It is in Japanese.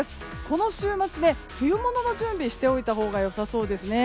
この週末で冬物の準備をしておいたほうがよさそうですね。